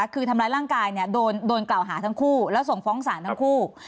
คือทำร้ายร่างกายโดนกล่าวหาทั้งคู่แล้วส่งฟ้องศาลทั้งคู่